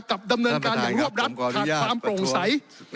ดำเนินการอย่างรวบรัดขาดความโปร่งใส